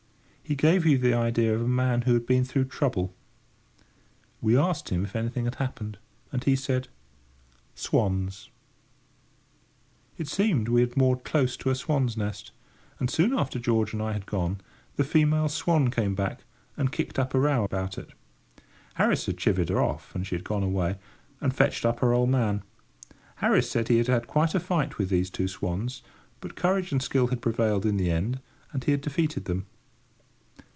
He gave you the idea of a man who had been through trouble. We asked him if anything had happened, and he said— [Picture: Swans] "Swans!" It seemed we had moored close to a swan's nest, and, soon after George and I had gone, the female swan came back, and kicked up a row about it. Harris had chivied her off, and she had gone away, and fetched up her old man. Harris said he had had quite a fight with these two swans; but courage and skill had prevailed in the end, and he had defeated them.